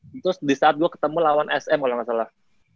terus disaat gue ketemu lawan sm kalo gak salah